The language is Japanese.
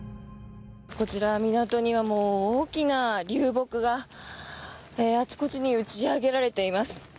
こちら、港には大きな流木があちこちに打ち上げられています。